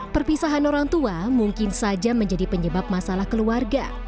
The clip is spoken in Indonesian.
perpisahan orang tua mungkin saja menjadi penyebab masalah keluarga